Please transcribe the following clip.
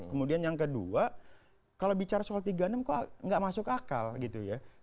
kemudian yang kedua kalau bicara soal tiga puluh enam kok nggak masuk akal gitu ya